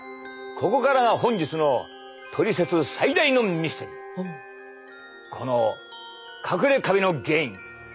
ここからが本日のトリセツ最大のミステリーこのかくれカビの原因。